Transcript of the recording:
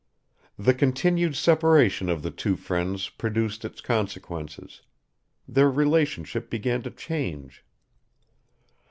The continued separation of the two friends produced its consequences; their relationship began to change.